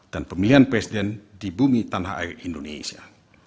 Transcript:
dan pemilihan presiden di bumi tanah air indonesia